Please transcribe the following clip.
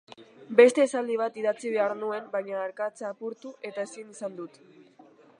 Beste esaldi bat idatzi behar nuen baina arkatza apurtu eta ezin izan dut.